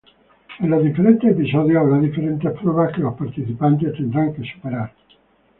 En los diferentes episodios habrá diferentes pruebas que los participantes tendrán que superar.